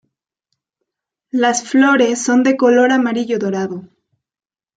Las flores son de color amarillo dorado.